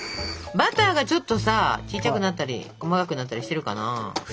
バターがちょっとさ小ちゃくなったり細かくなったりしてるかな？